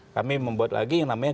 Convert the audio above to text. kami membuat lagi yang namanya